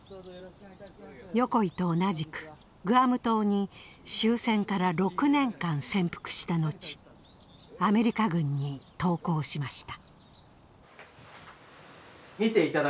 横井と同じくグアム島に終戦から６年間潜伏した後アメリカ軍に投降しました。